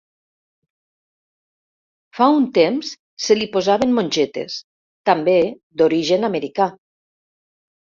Fa un temps se li posaven mongetes, també d'origen americà.